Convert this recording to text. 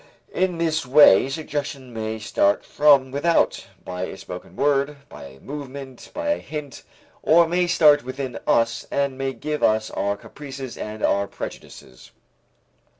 In this way suggestion too may start from without, by a spoken word, by a movement, by a hint; or may start within us and may give us our caprices and our prejudices.